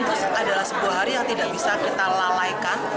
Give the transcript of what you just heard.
itu adalah sebuah hari yang tidak bisa kita lalaikan